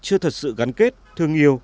chưa thật sự gắn kết thương yêu